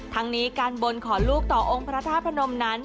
ทั้งนี้การบนขอลูกต่อองค์พระธาตุพนมนั้น